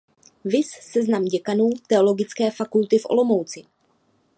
Viz Seznam děkanů teologické fakulty v Olomouci.